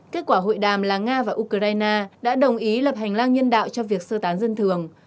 kết quả hội đàm là nga và ukraine đã đồng ý lập hành lang nhân đạo cho việc sơ tán dân thường